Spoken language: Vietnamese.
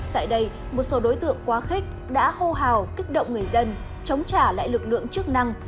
tại đây một số đối tượng quá khích đã hô hào kích động người dân chống trả lại lực lượng chức năng